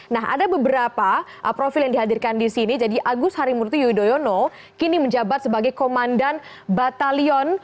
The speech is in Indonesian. nah ada beberapa profil yang dihadirkan di sini jadi agus harimurti yudhoyono kini menjabat sebagai komandan batalion